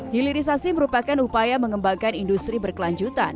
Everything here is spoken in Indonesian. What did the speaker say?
hilirisasi merupakan upaya mengembangkan industri berkelanjutan